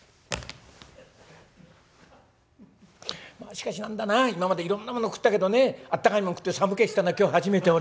「しかし何だな今までいろんなもの食ったけどね温かいもん食って寒気したの今日初めて俺。